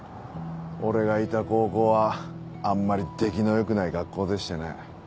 俺がいた高校はあんまり出来の良くない学校でしてね